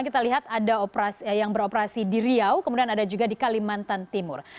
kita lihat ada yang beroperasi di riau kemudian ada juga di kalimantan timur